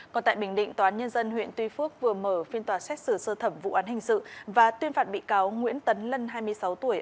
còn tại bình định tòa án nhân dân huyện tuy phước vừa mở phiên tòa xét xử sơ thẩm vụ án hình sự và tuyên phạt bị cáo nguyễn tấn lân hai mươi sáu tuổi